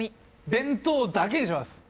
「弁当」だけにします。